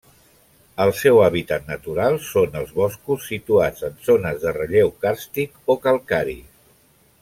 El seu hàbitat natural són els boscos situats en zones de relleu càrstic o calcaris.